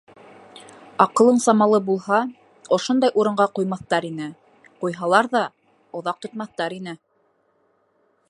Аҡылың самалы булһа, ошондай урынға ҡуймаҫтар ине, ҡуйһалар ҙа, оҙаҡ тотмаҫтар ине.